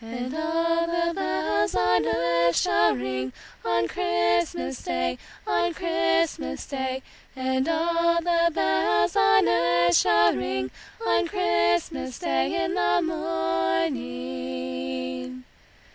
And all the bells on earth shall ring On Christmas day, on Christmas day; And all the bells on earth shall ring On Christmas day in the morning.